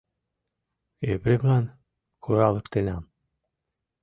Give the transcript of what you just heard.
— Епремлан куралыктенам.